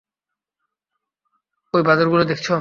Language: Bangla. অই পাথরগুলো দেখছ?